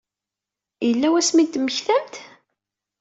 Yella wasmi i d-temmektamt?